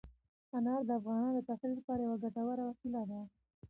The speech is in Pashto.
انار د افغانانو د تفریح لپاره یوه ډېره ګټوره وسیله ده.